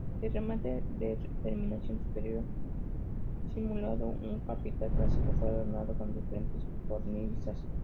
El remate de terminación superior, simulando un capitel clásico, fue adornado con diferentes cornisas.